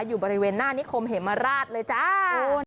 อยู่บริเวณหน้านิคมเหมราชเลยจ้า